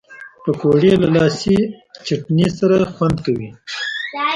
پکورې له لاسي چټني سره خوند زیاتوي